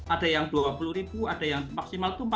ada yang rp dua puluh ada yang maksimal rp empat puluh